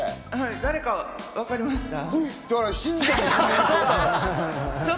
誰か分かりました？